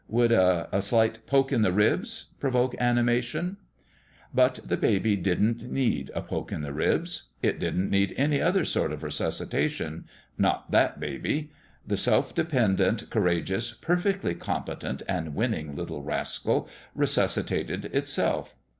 Would a a slight poke in the ribs provoke animation ?" But the baby didn't need a poke in the ribs. The MAKING of a MAN 101 It didn't need any other sort of resuscitation. Not that baby 1 The self dependent, courageous, perfectly competent and winning little rascal resuscitated itself.